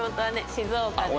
静岡です。